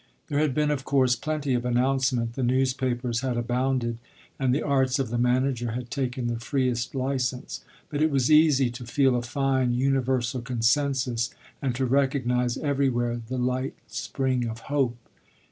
There had been of course plenty of announcement the newspapers had abounded and the arts of the manager had taken the freest license; but it was easy to feel a fine, universal consensus and to recognise everywhere the light spring of hope.